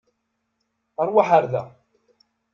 Ṛwaḥ ar da!